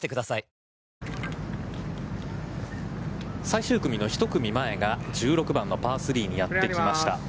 ＪＴ最終組の１組前が１６番のパー３にやってきました。